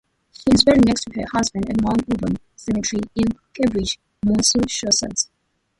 She is buried next to her husband at Mount Auburn Cemetery, in Cambridge, Massachusetts.